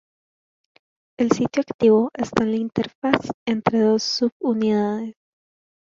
El sitio activo está en la interfaz entre dos subunidades.